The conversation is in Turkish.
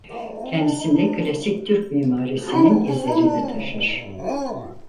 Kendisinde klasik Türk mimarisinin izlerini taşır.